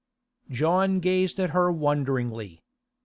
John gazed at her wonderingly.